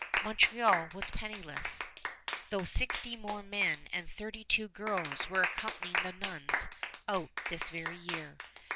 Montreal was penniless, though sixty more men and thirty two girls were accompanying the nuns out this very year.